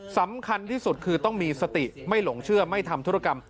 สำคัญที่สุดคือต้องมีสติไม่หลงเชื่อไม่ทำธุรกรรม